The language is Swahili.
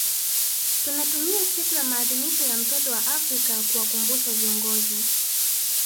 Tunatumia siku ya maadhimisho ya mtoto wa Afrika kuwakumbusha viongozi